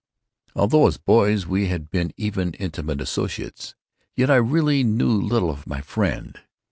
Although, as boys, we had been even intimate associates, yet I really knew little of my friend.